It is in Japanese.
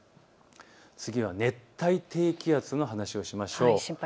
次は熱帯低気圧の話をしましょう。